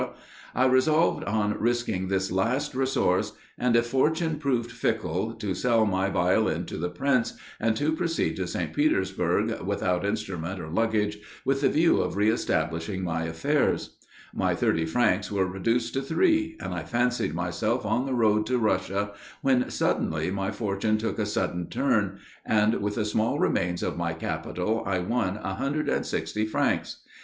I resolved on risking this last resource; and, if fortune proved fickle, to sell my Violin to the Prince and to proceed to St. Petersburg, without instrument or luggage, with the view of re establishing my affairs; my thirty francs were reduced to three, and I fancied myself on the road to Russia, when suddenly my fortune took a sudden turn; and, with the small remains of my capital I won 160 francs.